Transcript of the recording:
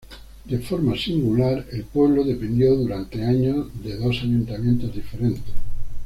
De forma singular, el pueblo dependió durante años de dos ayuntamientos diferentes.